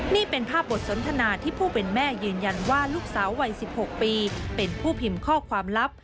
นี่เป็นภาพบทสนทนาที่ผู้เป็นแม่ยืนยันว่าลูกสาววัย๑๖ปีเป็นผู้พิมพ์ข้อความลับ